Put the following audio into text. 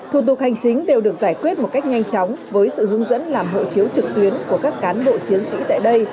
thủ tục hành chính đều được giải quyết một cách nhanh chóng với sự hướng dẫn làm hộ chiếu trực tuyến của các cán bộ chiến sĩ tại đây